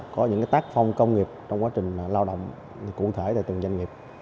có những tác phong công nghiệp trong quá trình lao động cụ thể tại từng doanh nghiệp